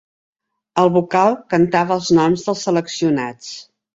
El vocal cantava els noms dels seleccionats.